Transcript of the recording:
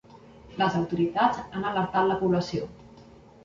Les autoritats han alertat la població.